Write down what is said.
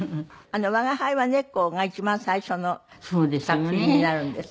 『吾輩は猫』が一番最初の作品になるんですって？